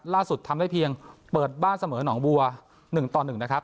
ทำได้เพียงเปิดบ้านเสมอหนองบัว๑ต่อ๑นะครับ